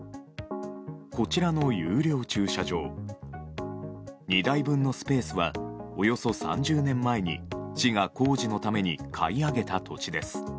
こちらの有料駐車場２台分のスペースはおよそ３０年前に市が工事のために買い上げた土地です。